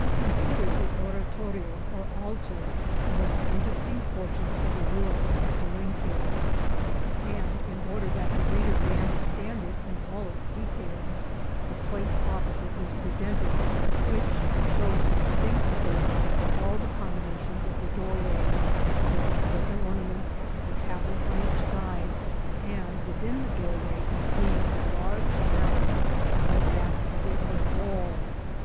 We considered the oratorio or altar the most interest VOL. II.— Y Y 354 INCIDENTS OF TRAVEL. ing portion of the ruins of Palenque ; and in order that the reader may understand it in all its details, the plate opposite is presented, which shows distinctly all the com binations of the doorway, with its broken ornaments, the tablets on each side ; and within the doorway is seen the large tablet on the back of the inner wall.